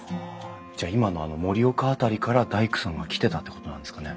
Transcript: じゃあ今の盛岡辺りから大工さんが来てたってことなんですかね。